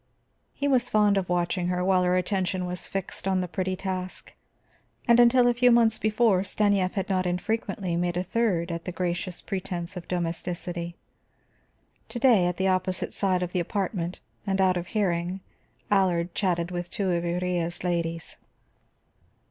He was fond of watching her while her attention was fixed on the pretty task; and until a few months before Stanief had not infrequently made a third at the gracious pretense of domesticity. To day, at the opposite side of the apartment and out of hearing, Allard chatted with two of Iría's ladies.